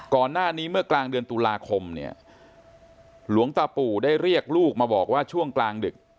ก่อนหน้านี้เมื่อกลางเดือนตุลาคมเนี่ยหลวงตาปู่ได้เรียกลูกมาบอกว่าช่วงกลางดึก